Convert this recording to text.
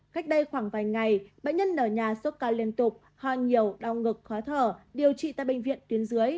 cách đây khoảng vài ngày bệnh nhân nở nhà sốt cao liên tục ho nhiều đau ngực khó thở điều trị tại bệnh viện tuyến dưới